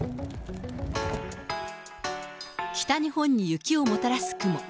北日本に雪をもたらす雲。